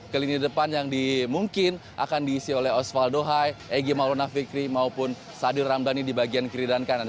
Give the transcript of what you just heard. kelini depan yang dimungkin akan diisi oleh osvaldo hai egy malona fikri maupun sadir ramdhani di bagian kiri dan kanan